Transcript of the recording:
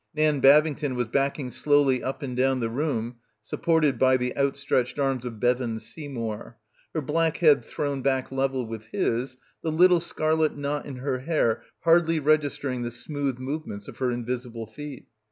Nan Babington was backing slowly up and down the room supported by the outstretched arms of Bevan Seymour, her black head thrown back level with his, the little scarlet knot in her hair hardly registering the smooth movements of her invisible feet.